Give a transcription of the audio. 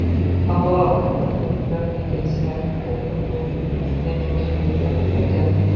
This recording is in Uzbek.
Nima balo, qayta quruvchilar meni esimni kiritib qo‘yish uchun shunday tashkil etyaptimikin?